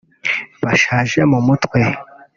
bashaje mu mutwe